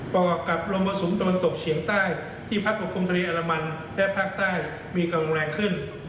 ประกอบกับลบสูงจำลองตกเฉียงใต้ที่พัดปกครมทะเลอรมันและภาคใต้มีกำลังแรงขึ้น